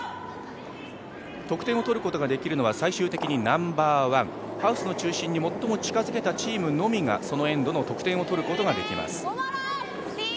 得点を取ることができるのは最終的にナンバーワンハウスの中心に最も近づけたチームのみがそのエンドの得点を取ることができます。